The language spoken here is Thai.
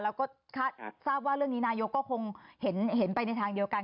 แล้วก็ทราบว่าเรื่องนี้นายกก็คงเห็นไปในทางเดียวกัน